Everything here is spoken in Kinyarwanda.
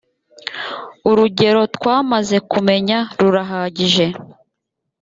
urugero twamaze kumenya rurahagije.